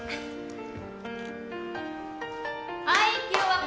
はい。